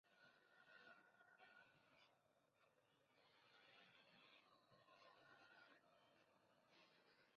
La acción es una magnitud escalar.